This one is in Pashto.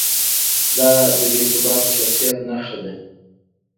دا د بې ثباته شخصیت نښه ده.